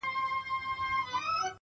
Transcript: بيا تس ته سپكاوى كوي بدرنگه ككــرۍ،